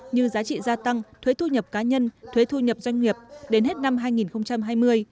như giá trị gia tăng thuế thu nhập cá nhân thuế thu nhập doanh nghiệp đến hết năm hai nghìn hai mươi